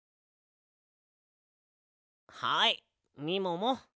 はいみもも。